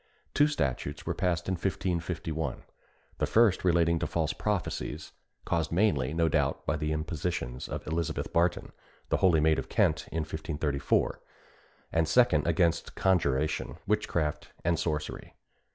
Two statutes were passed in 1551: the first relating to false prophecies, caused mainly, no doubt, by the impositions of Elizabeth Barton, the holy maid of Kent, in 1534; and the second against conjuration, witchcraft, and sorcery.